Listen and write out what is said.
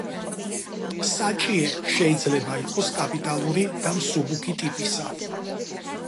საჭიე შეიძლება იყოს კაპიტალური და მსუბუქი ტიპისა.